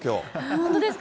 本当ですか？